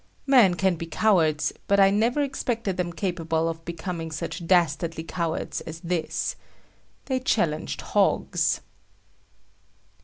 Men can be cowards but I never expected them capable of becoming such dastardly cowards as this. They challenged hogs.